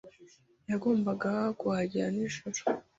Yagombaga kuhagera nijoro.